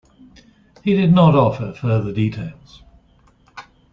He did not offer further details.